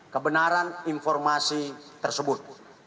kebenaran informasi tersebut